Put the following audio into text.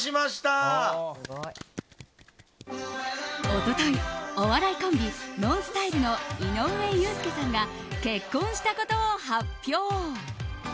一昨日、お笑いコンビＮＯＮＳＴＹＬＥの井上裕介さんが結婚したことを発表。